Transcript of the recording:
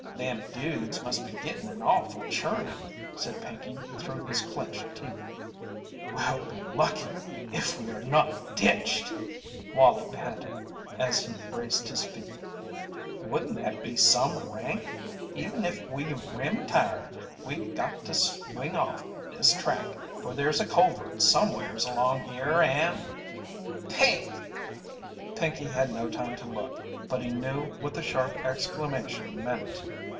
"Them dudes must be gittin' an awful churnin'," said Pinkey through his clenched teeth. "We'll be lucky if we are not ditched," Wallie panted as he braced his feet. "Wouldn't that be some rank! Even if we 'rim a tire' we got to swing off this track, for there's a culvert somewheres along here and " "Pink!" Pinkey had no time to look, but he knew what the sharp exclamation meant.